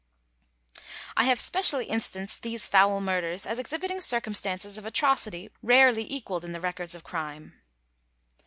I have specially instanced these foul murders as exhibiting circumstances of atrocity rarely equalled in the records of crime.